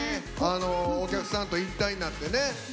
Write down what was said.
お客さんと一体になってね。